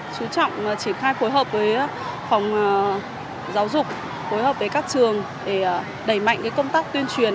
chú trọng triển khai phối hợp với phòng giáo dục phối hợp với các trường để đẩy mạnh công tác tuyên truyền